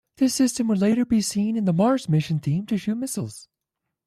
This system would later be seen in the "Mars Mission" theme to shoot missiles.